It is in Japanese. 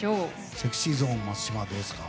ＳｅｘｙＺｏｎｅ松島。